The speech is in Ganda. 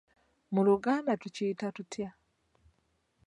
Mu Luganda tukiyita tutya?